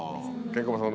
ケンコバさん